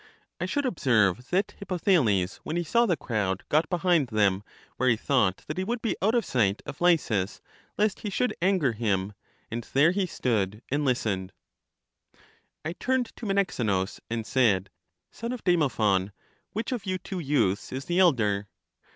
I should observe that Hippo thales, when he saw the crowd, got behind them, where he thought that he would be out of sight of Lysis, lest he should anger him ; and there he stood and listened. I turned to Menexenus, and said: Son of Demo phon, which of you two youths is the elder?